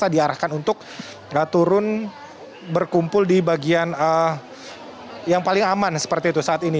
diarahkan untuk turun berkumpul di bagian yang paling aman seperti itu saat ini